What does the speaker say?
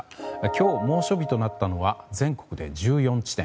今日猛暑日となったのは全国で１４地点。